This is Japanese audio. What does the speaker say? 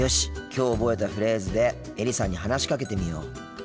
きょう覚えたフレーズでエリさんに話しかけてみよう。